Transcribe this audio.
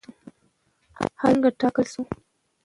حل څنګه ټاکل شو؟